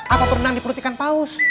apa pernah diperhentikan paus